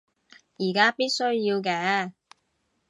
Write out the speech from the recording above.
而家必須要嘅